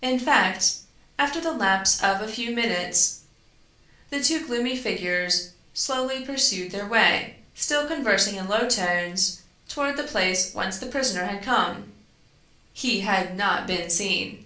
In fact, after the lapse of a few minutes, the two gloomy figures slowly pursued their way, still conversing in low tones, toward the place whence the prisoner had come; HE HAD NOT BEEN SEEN!